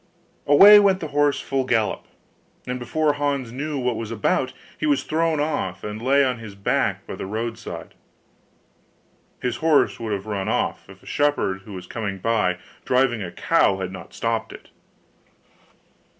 Away went the horse full gallop; and before Hans knew what he was about, he was thrown off, and lay on his back by the road side. His horse would have ran off, if a shepherd who was coming by, driving a cow, had not stopped it.